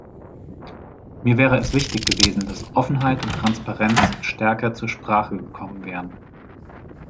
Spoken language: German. Mir wäre es wichtig gewesen, dass Offenheit und Transparenz stärker zur Sprache gekommen wären.